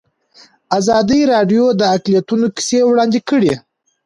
ازادي راډیو د اقلیتونه کیسې وړاندې کړي.